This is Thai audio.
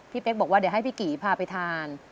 เป๊กบอกว่าเดี๋ยวให้พี่กีพาไปทาน